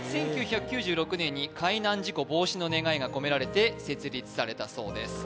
１９９６年に海難事故防止の願いが込められて設立されたそうです